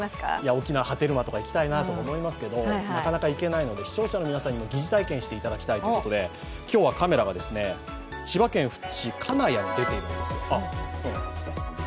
沖縄・波照間とか行きたいなとかありますがなかなか行けないので視聴者の皆さんにも疑似体験してもらいたいということで今日はカメラが千葉県富津市金谷に出てるんですよ。